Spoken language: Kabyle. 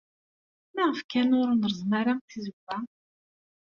Maɣef kan ur nreẓẓem ara tizewwa?